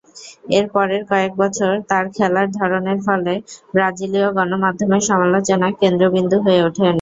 এর পরের কয়েক বছর তার খেলার ধরনের ফলে ব্রাজিলীয় গণমাধ্যমের সমালোচনা কেন্দ্রবিন্দু হয়ে ওঠেন।